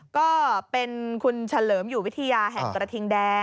ก็เป็นคุณเฉลิมอยู่วิทยาแห่งกระทิงแดง